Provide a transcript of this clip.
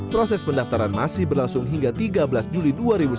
proses pendaftaran masih berlangsung hingga tiga belas juli dua ribu sembilan belas